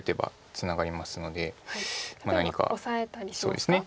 そうですね。